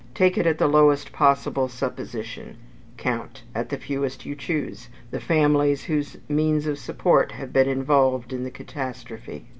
Take it at the lowest possible supposition count, at the fewest you choose, the families whose means of support have been involved in the catastrophe.